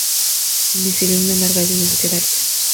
Iniciaría una larga dinastía de artistas.